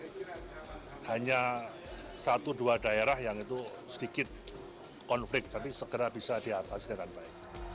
kepolisian dan kepolisian negeri akan berkontrol dengan kepolisian kepolisian dan juga bawaslu untuk mengidentifikasi daerah rawan kericuhan pada pilkada serentak